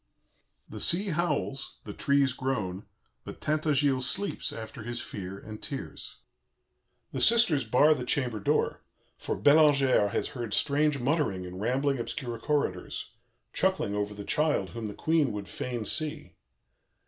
"The sea howls, the trees groan, but Tintagiles sleeps after his fear and tears. The sisters bar the chamber door, for Bellangère has heard strange muttering in rambling, obscure corridors, chuckling over the child whom the Queen would fain see.